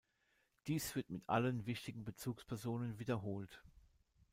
Dies wird mit allen wichtigen Bezugspersonen wiederholt.